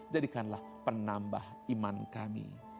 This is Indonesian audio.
jadikanlah penambah iman kami